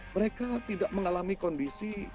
mereka tidak mengalami kondisi